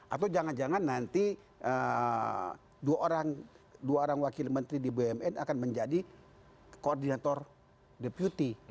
atau jangan jangan nanti dua orang wakil menteri di bumn akan menjadi koordinator deputi